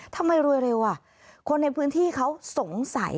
ทำไมรวยเร็วอ่ะคนในพื้นที่เขาสงสัย